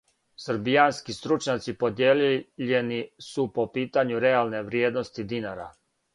Србијански стручњаци подијељени су по питању реалне вриједности динара.